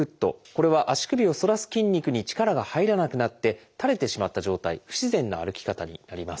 これは足首を反らす筋肉に力が入らなくなって垂れてしまった状態不自然な歩き方になります。